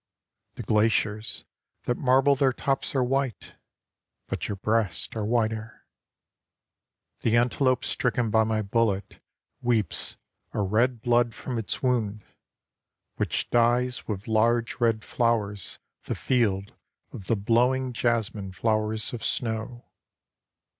The glaciers that marble their tops are white, But your breasts are whiter. The antelope stricken by my bullet Weeps a red blood from its wound Which dyes with large red flowers The field of the blowing jasmine flowers of snow.